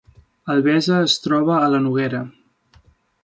Albesa es troba a la Noguera